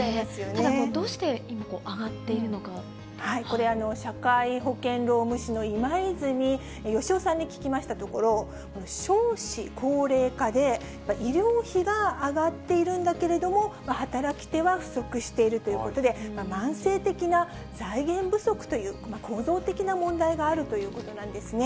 でも、どうして今、上がってこれ、社会保険労務士の今泉善雄さんに聞きましたところ、少子高齢化で医療費が上がっているんだけれども、働き手は不足しているということで、慢性的な財源不足という、構造的な問題があるということなんですね。